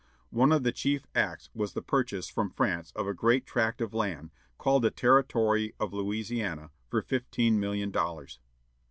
One of the chief acts was the purchase from France of a great tract of land, called the Territory of Louisiana, for fifteen million dollars.